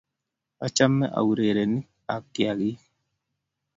Achame aurereni ak kiakik